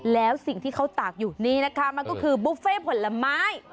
แล้วสิ่งที่เขาตากอยู่นี่นะคะมันก็คือบุฟเฟ่ผลไม้